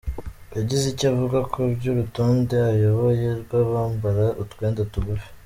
yagize icyo avuga ku by’urutonde ayoboye rw’abambara utwenda tugufi